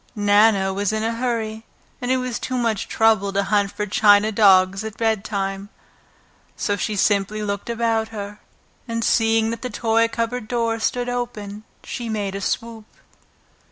Nana was in a hurry, and it was too much trouble to hunt for china dogs at bedtime, so she simply looked about her, and seeing that the toy cupboard door stood open, she made a swoop.